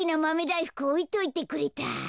だいふくおいといてくれた。